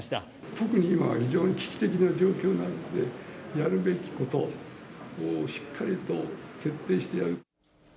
特に今は非常に危機的な状況なんで、やるべきことをしっかりと徹底してやる。